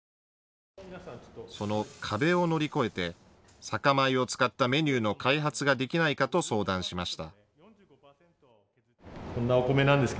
その壁を乗り越えて酒米を使ったメニューの開発ができないかと相談しました。